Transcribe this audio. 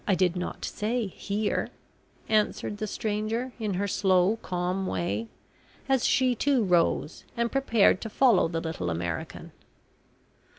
"I did not say `here,'" answered the stranger, in her slow, calm way, as she, too, rose and prepared to follow the little American.